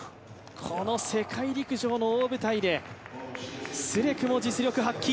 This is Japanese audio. この世界陸上の大舞台でスレクも実力発揮。